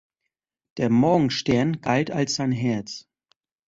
Der Morgenstern galt als sein Herz.